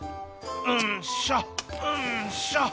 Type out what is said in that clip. うんしょうんしょ！